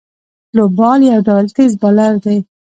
سلو بال یو ډول تېز بالر دئ.